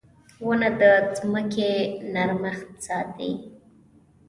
• ونه د ځمکې نرمښت ساتي.